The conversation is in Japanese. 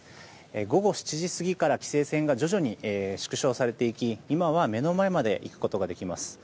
午後７時過ぎから規制線が徐々に縮小されていき今は、目の前まで行くことができます。